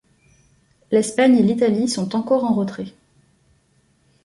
L'Espagne et l'Italie sont encore en retrait.